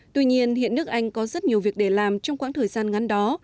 tuy nhiên hiện nước anh có rất nhiều việc để làm trong quãng thời gian ngắn đó